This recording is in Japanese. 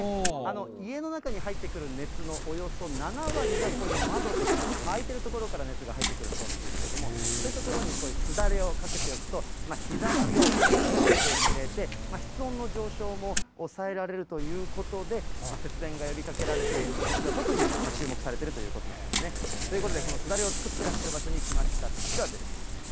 家の中に入ってくる熱のおよそ７割が、こういう窓とか、開いてる所から熱が入ってくるそうなんですけれども、そういう所にすだれをかけておくと、日ざしを防いでくれて、室温の上昇も抑えられるということで、節電が呼びかけられていることしは特に、注目されてるということなんですね。ということで、このすだれを作ってらっしゃる場所に来ました、こちらです。